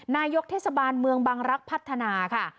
นายกเทศบาลเมืองบังรักษ์พัฒนาค่ะ